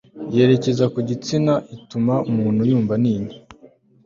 yerekeza ku gitsina ituma umuntu yumva atinye